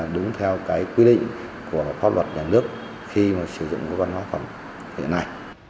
đúng theo cái quy định của pháp luật nhà nước khi mà sử dụng các văn hóa phẩm thế này